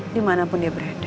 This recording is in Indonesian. dimanapun dia berada